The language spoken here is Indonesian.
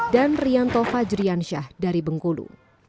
dan rianto fajriansyah dari bengkulu